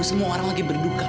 semua orang lagi berduka